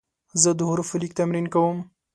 زه د حروفو لیک تمرین کوم.